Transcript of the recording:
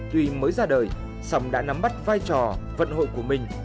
tuy mới ra đời song đã nắm bắt vai trò vận hội của mình